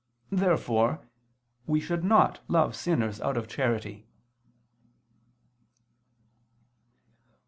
Therefore we should not love sinners out of charity.